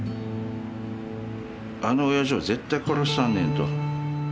あのおやじを絶対殺したんねんと。